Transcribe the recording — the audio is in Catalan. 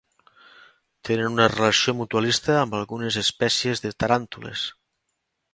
Tenen una relació mutualista amb algunes espècies de taràntules.